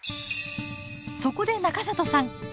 そこで中里さん